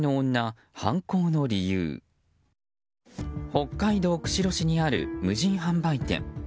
北海道釧路市にある無人販売店。